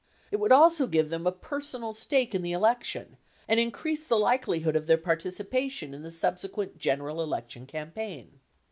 It would also give them a personal stake in the election and increase the likelihood of their participation in the subsequent general election campaign.